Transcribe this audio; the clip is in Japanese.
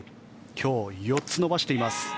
今日４つ伸ばしています。